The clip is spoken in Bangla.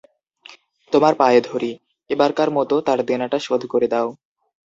তোমার পায়ে ধরি, এবারকার মতো তার দেনাটা শোধ করে দাও।